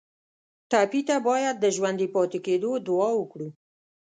ټپي ته باید د ژوندي پاتې کېدو دعا وکړو.